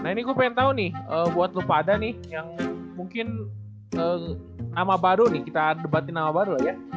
nah ini gue pengen tahu nih buat lupa ada nih yang mungkin nama baru nih kita debatin nama baru lah ya